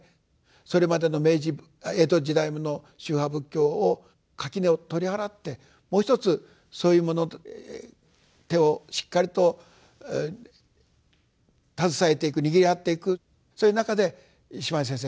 それまでの江戸時代の宗派仏教を垣根を取り払ってもう一つそういうものと手をしっかりと携えていく握り合っていくそういう中で島地先生